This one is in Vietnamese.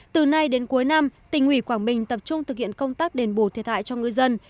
từ nay đến cuối năm tỉnh ủy quảng bình tập trung thực hiện công tác đền bù thiệt hại cho ngư dân